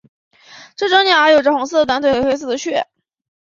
这种鸟有着红色的短腿和黑色的喙。